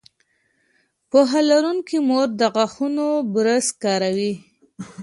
پوهه لرونکې مور د غاښونو برش کاروي.